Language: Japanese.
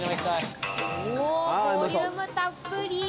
ボリュームたっぷり。